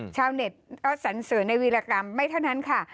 ชาวเน็ตก็สันเสริญในวีรกรรมไม่เท่านั้นค่ะ